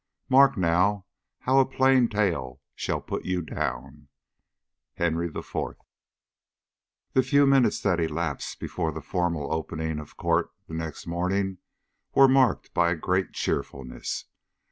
Mark now, how a plain tale shall put you down. HENRY IV. THE few minutes that elapsed before the formal opening of court the next morning were marked by great cheerfulness.